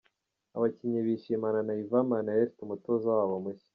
Abakinnyi bishimana na Ivan Minaert umutoza wabo mushya .